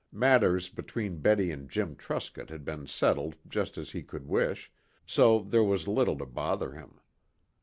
Matters between Betty and Jim Truscott had been settled just as he could wish, so there was little to bother him.